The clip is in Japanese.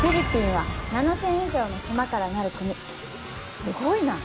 すごいな！